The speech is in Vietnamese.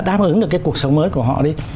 đáp ứng được cái cuộc sống mới của họ đi